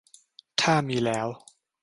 ถ้ามีแล้ว